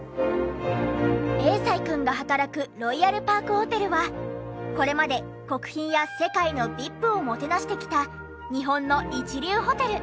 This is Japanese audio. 永才くんが働くロイヤルパークホテルはこれまで国賓や世界のＶＩＰをもてなしてきた日本の一流ホテル。